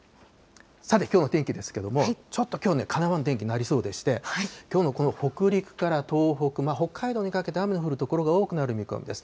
さて、きょうの天気ですけれども、ちょっときょうね、かなわん天気になりそうでして、きょうのこの北陸から東北、北海道にかけて雨の降る所が多くなる見込みです。